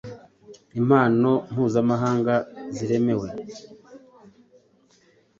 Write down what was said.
Impano mpuzamahanga ziremewe